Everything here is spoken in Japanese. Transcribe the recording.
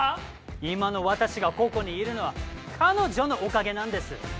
今の私がここにいるのは彼女のおかげなんです！